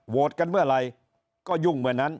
โหรกันเมื่อไรก็ยุ่งเหมือนนั้น